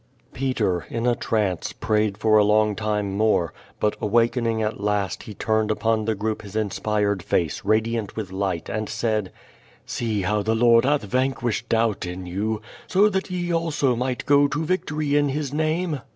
Peter, in a trance, prayed for a long time more; but awaken ing at last he turned upon the group his inspired face, radiant with light, and said: "See how the I iord hath vanquished doubt in you, so that ye also might go to victory in His name?"